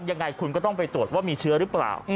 ยังไงคุณก็ต้องไปตรวจว่ามีเชื้อหรือเปล่า